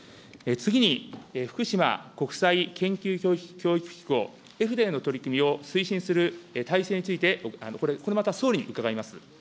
次に、福島国際研究教育機構、への取り組みを推進する体制についてこれまた総理に伺います。